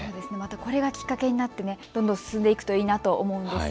これがきっかけになってどんどん進んでいくといいなと思います。